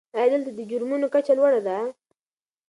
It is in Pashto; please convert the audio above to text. آیا دلته د جرمونو کچه لوړه ده؟